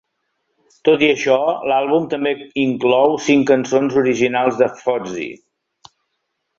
Tot i això, l'àlbum també inclou cinc cançons originals de Fozzy.